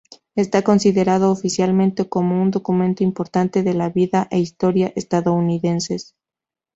Está considerado oficialmente como un documento importante de la vida e historia estadounidenses.